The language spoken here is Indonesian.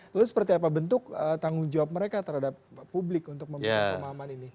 lalu seperti apa bentuk tanggung jawab mereka terhadap publik untuk memberikan pemahaman ini